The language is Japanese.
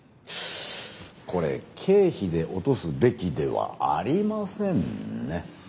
これ経費で落とすべきではありませんね。